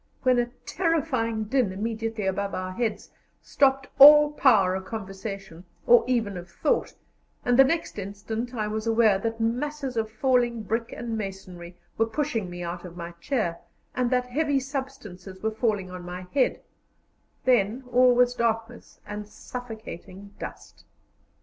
when a terrifying din immediately above our heads stopped all power of conversation, or even of thought, and the next instant I was aware that masses of falling brick and masonry were pushing me out of my chair, and that heavy substances were falling on my head; then all was darkness and suffocating dust.